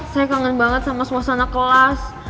saya kangen banget sama suasana kelas